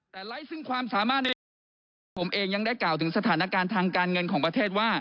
แต่ไลค์ซึ่งความสามารถในการผมเองยังได้กล่าวถึงสถานการณ์ทางการเงินของประเทศว่า